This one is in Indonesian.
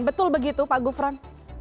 betul begitu pak gufron